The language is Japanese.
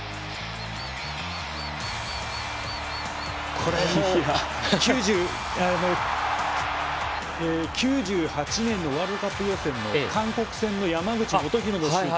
今のは９８年のワールドカップ予選の韓国戦の山口素弘のシーンと。